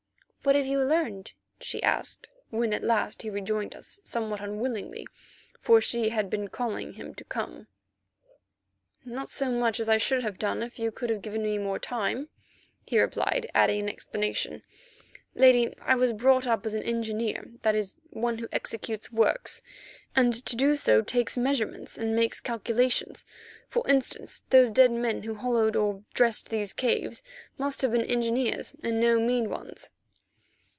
"What have you learned?" she asked, when at last he rejoined us somewhat unwillingly, for she had been calling to him to come. "Not so much as I should have done if you could have given me more time," he replied, adding in explanation, "Lady, I was brought up as an engineer, that is, one who executes works, and to do so takes measurements and makes calculations. For instance, those dead men who hollowed or dressed these caves must have been engineers and no mean ones."